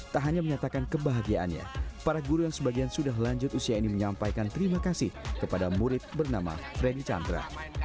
tak hanya menyatakan kebahagiaannya para guru yang sebagian sudah lanjut usia ini menyampaikan terima kasih kepada murid bernama freddy chandra